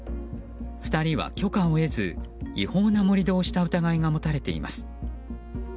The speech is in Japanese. ２人は許可を得ず違法な盛り土をした疑いが持たれています。